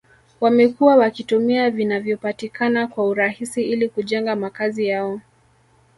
wamekuwa wakitumia vinavyopatikana kwa urahisi ili kujenga makazi yao